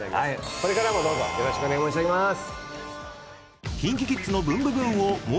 これからもどうぞよろしくお願い申し上げます！